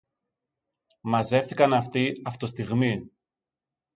Μαζεύθηκαν αυτοί αυτοστιγμεί